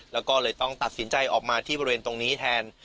แล้วก็เลยต้องตัดสินใจออกมาที่บริเวณตรงนี้แทน